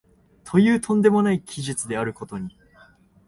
という飛んでもない奇術であることに、